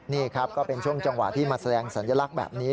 นี่ครับก็เป็นช่วงจังหวะที่มาแสดงสัญลักษณ์แบบนี้